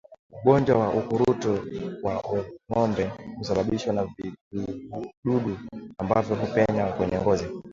Ugonjwa wa ukurutu kwa ngombe husababishwa na vijidudu ambavyo hupenya kwenye ngozi